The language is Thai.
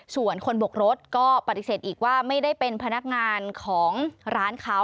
ส่วนคนบกรถก็ปฏิเสธอีกว่าไม่ได้เป็นพนักงานของร้านเขา